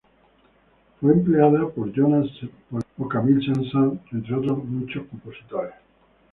Fue empleada por Johann Sebastian Bach o Camille Saint-Saëns, entre muchos otros compositores.